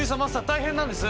大変なんです！